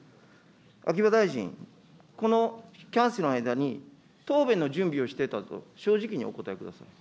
秋葉大臣、このキャンセルの間に、答弁の準備をしていたと、正直にお答えください。